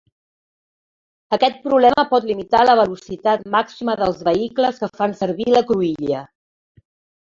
Aquest problema pot limitar la velocitat màxima dels vehicles que fan servir la cruïlla.